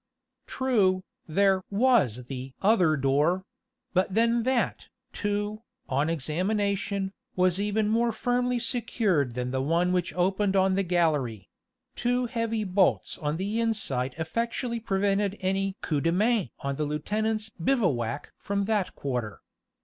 True, there was the "other door"; but then that, too, on examination, was even more firmly secured than the one which opened on the gallery two heavy bolts on the inside effectually prevented any coup de main on the lieutenant's bivouac from that quarter.